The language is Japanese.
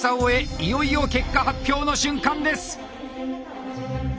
いよいよ結果発表の瞬間です。